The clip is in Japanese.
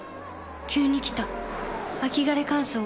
急に来た秋枯れ乾燥。